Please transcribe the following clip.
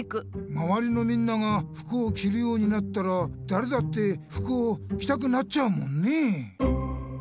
まわりのみんなが服をきるようになったらだれだって服をきたくなっちゃうもんねえ。